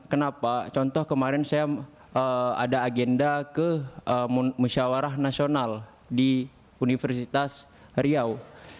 kenapa contoh kemarin saya ada agenda ke musyawarah nasional di universitas riau